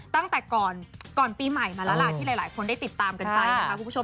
ตั้งแต่ก่อนปีใหม่มาแล้วล่ะที่หลายคนได้ติดตามกันไปนะคะคุณผู้ชม